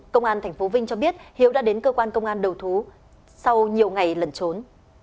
công an tp vinh cho biết hiếu đã đến cơ quan công an đầu thú sau nhiều ngày lẩn trốn